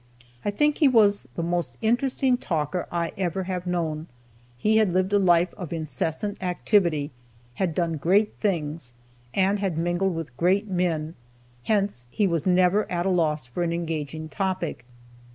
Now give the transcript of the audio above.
I think he was the most interesting talker I ever have known. He had lived a life of incessant activity, had done great things, and had mingled with great men, hence he was never at a loss for an engaging topic.